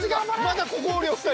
まだここおるよ２人。